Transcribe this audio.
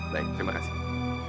baik terima kasih